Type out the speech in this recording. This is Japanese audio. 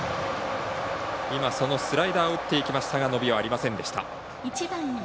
スライダーを打っていきましたが伸びはありませんでした。